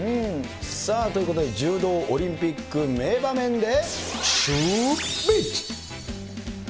さあ、ということで柔道オリンピック名場面でシューＷｈｉｃｈ。